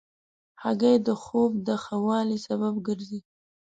هګۍ د خوب د ښه والي سبب ګرځي.